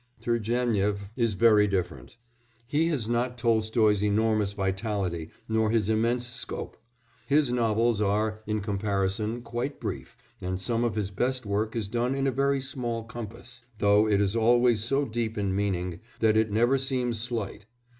Turgénief is very different. He has not Tolstoy's enormous vitality nor his immense scope; his novels are, in comparison, quite brief, and some of his best work is done in a very small compass, though it is always so deep in meaning that it never seems slight.